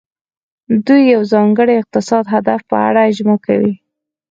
دوی د یو ځانګړي اقتصادي هدف په اړه اجماع کوي